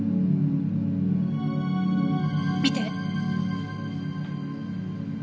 見て。